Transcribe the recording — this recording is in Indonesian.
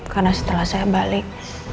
karena setelah saya balik